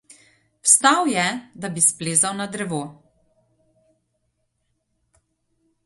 Vstal je, da bi splezal na drevo.